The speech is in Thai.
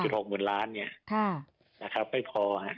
๑๖หมื่นล้านไม่พอ